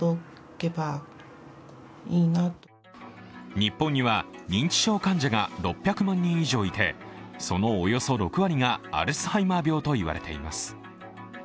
日本には認知症患者が６００万人以上いてそのおよそ６割がアルツハイマー型といわれています。